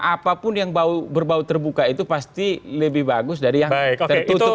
apapun yang berbau terbuka itu pasti lebih bagus dari yang tertutup